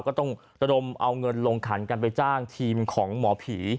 ก็ต้องระดมเอาเงินลงขันกันไปจ้างทีมของหมอผี